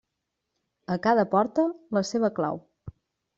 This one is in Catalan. A cada porta, la seva clau.